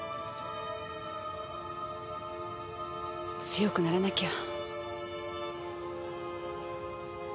強くならなきゃ。